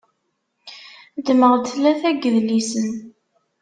Ddmeɣ-d tlata n yidlisen.